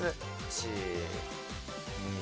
１、２。